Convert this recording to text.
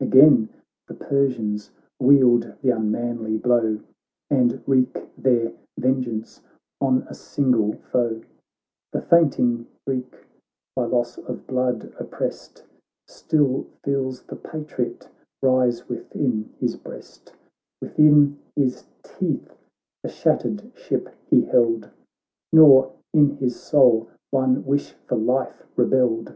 Again the Persians wield the unmanly blow ■ And wreak their vengeance on a single foe ; The fainting Greek, by loss of blood opprest. Still feels the patriot rise within his breast ; Within his teeth the shattered ship he held, Nor in his soul one wish for life rebelled.